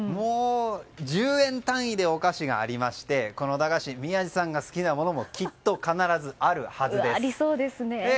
１０円単位でお菓子がありましてこの駄菓子宮司さんが好きなものもきっと必ずあるはずです。